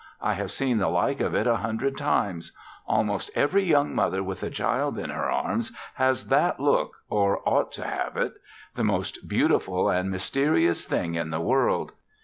I have seen the like of it a hundred times. Almost every young mother with a child in her arms has that look or ought to have it the most beautiful and mysterious thing in the world.